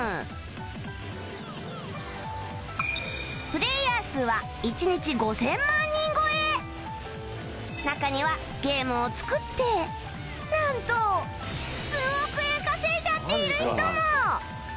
プレーヤー数は中にはゲームを作ってなんと数億円稼いじゃっている人も！